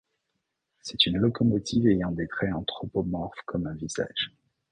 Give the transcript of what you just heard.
C'est une locomotive ayant des traits anthropomorphe comme un visage.